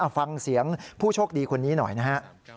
ฟังเสียงผู้โชคดีคนนี้หน่อยนะฮะ